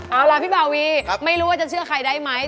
เอาล่ะพี่บาวีไม่รู้ว่าจะเชื่อใครได้ไหม